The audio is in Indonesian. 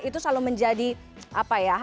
itu selalu menjadi apa ya